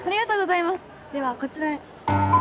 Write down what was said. ではこちらへ。